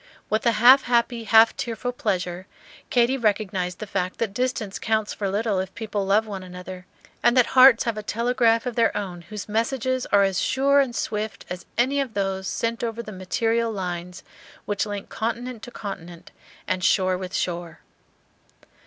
With a half happy, half tearful pleasure Katy recognized the fact that distance counts for little if people love one another, and that hearts have a telegraph of their own whose messages are as sure and swift as any of those sent over the material lines which link continent to continent and shore with shore.